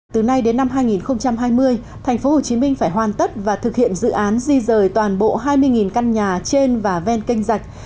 từ nay đến năm hai nghìn hai mươi tp hcm phải hoàn tất và thực hiện dự án di rời toàn bộ hai mươi căn nhà trên và ven kênh dạch